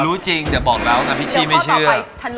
รู้จริงแต่บอกแล้วนะพิชชี่ไม่เชื่อ